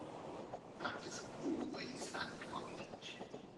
That is always an advantage.